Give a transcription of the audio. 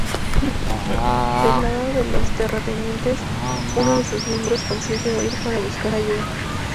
Del lado de los terratenientes, uno de sus miembros consigue huir para buscar ayuda.